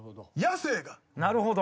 なるほど。